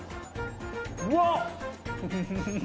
うわっ！